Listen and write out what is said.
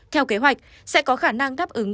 theo kế hoạch sẽ có khả năng đáp ứng